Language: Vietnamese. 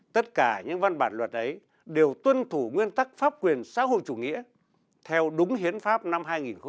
tất cả những văn bản luật ấy đều tuân thủ nguyên tắc pháp quyền xã hội chủ nghĩa theo đúng hiến pháp năm hai nghìn một mươi ba